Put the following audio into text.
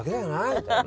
みたいな。